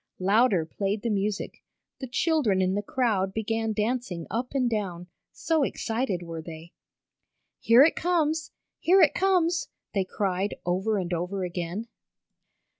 Louder played the music. The children in the crowd began dancing up and down, so excited were they. "Here it comes! Here it comes!" they cried over and over again.